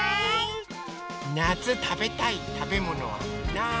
なつたべたいたべものはなに？